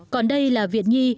còn đây là viện nghi